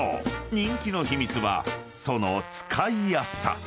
人気の秘密はその使いやすさ］